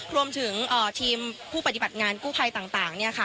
รวมถึงทีมผู้ปฏิบัติงานกู้ภัยต่าง